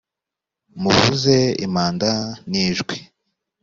muvuze impanda n ijwi